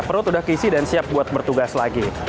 perut udah kisi dan siap buat bertugas lagi